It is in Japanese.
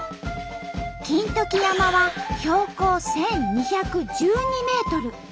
金時山は標高１，２１２メートル。